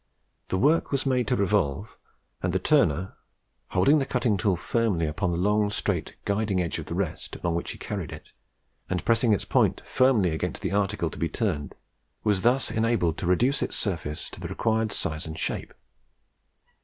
The work was made to revolve, and the turner, holding the cutting tool firmly upon the long, straight, guiding edge of the rest, along which he carried it, and pressing its point firmly against the article to be turned, was thus enabled to reduce its surface to the required size and shape.